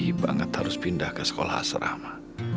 dia sedih banget harus pindah ke sekolah serama